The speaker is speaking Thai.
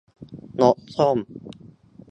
นกส้ม